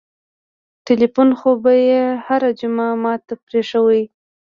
ټېلفون خو به يې هره جمعه ما ته پرېښووه.